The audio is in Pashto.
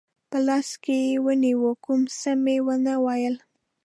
په لاس کې ونیو، کوم څه مې و نه ویل.